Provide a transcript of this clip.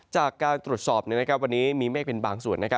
จากการตรวจสอบวันนี้มีเมฆเป็นบางส่วน